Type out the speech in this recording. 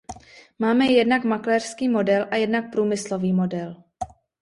Máme jednak makléřský model, a jednak průmyslový model.